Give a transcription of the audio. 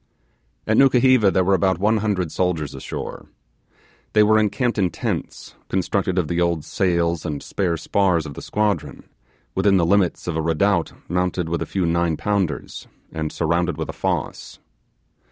At Nukuheva, there were about one hundred soldiers ashore. They were encamped in tents, constructed of the old sails and spare spars of the squadron, within the limits of a redoubt mounted with a few nine pounders, and surrounded with a fosse.